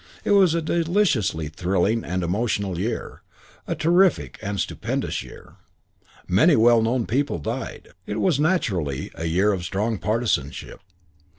It was a deliciously thrilling and emotional year. A terrific and stupendous year. Many well known people died. III It was naturally a year of strong partisanship.